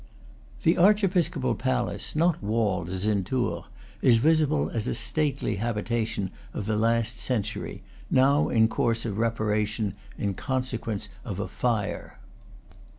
The archiepiscopal palace, not walled in as at Tours, is visible as a stately habitation of the last century, now in course of reparation in consequence of a fire.